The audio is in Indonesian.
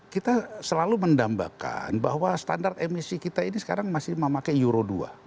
kita selalu mendambakan bahwa standar emisi kita ini sekarang masih memakai euro dua